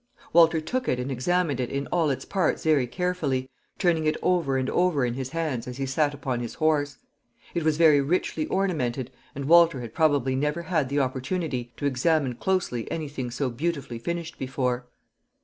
Walter took it and examined it in all its parts very carefully, turning it over and over in his hands as he sat upon his horse. It was very richly ornamented, and Walter had probably never had the opportunity to examine closely any thing so beautifully finished before.